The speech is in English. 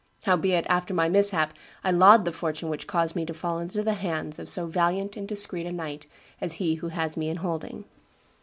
Howbeit, after my mishap, I laud the fortune which caused me to fall into the hands of so valiant and discreet a knight as he who has me in holding.